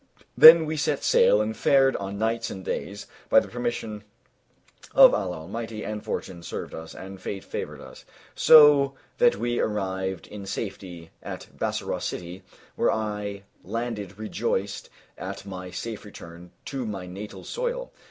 Then we set sail and fared on nights and days, by the permission of Allah Almighty; and Fortune served us and Fate favored us, so that we arrived in safety at Bassorah city where I landed rejoiced at my safe return to my natal soil.